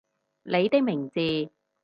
你的名字